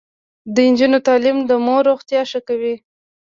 د نجونو تعلیم د مور روغتیا ښه کوي.